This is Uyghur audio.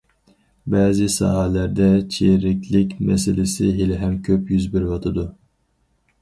بەزى ساھەلەردە چىرىكلىك مەسىلىسى ھېلىھەم كۆپ يۈز بېرىۋاتىدۇ.